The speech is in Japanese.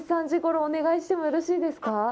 ２時、３時頃、お願いしてもよろしいですか？